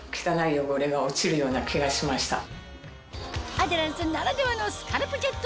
アデランスならではのスカルプジェット